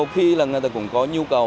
đôi khi là người ta cũng có nhu cầu